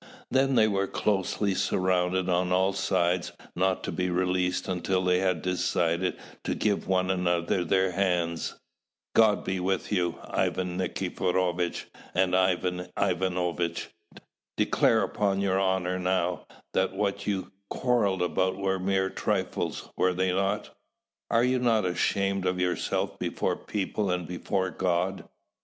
Then they were closely surrounded on all sides, not to be released until they had decided to give one another their hands. "God be with you, Ivan Nikiforovitch and Ivan Ivanovitch! declare upon your honour now, that what you quarrelled about were mere trifles, were they not? Are you not ashamed of yourselves before people and before God?"